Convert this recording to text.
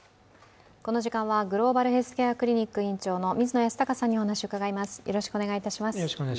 この時間はグローバルヘルスケアクリニック院長の水野泰孝さんにお話を伺います。